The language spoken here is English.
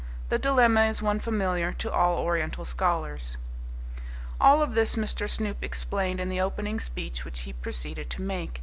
The dilemma is one familiar to all Oriental scholars. All of this Mr. Snoop explained in the opening speech which he proceeded to make.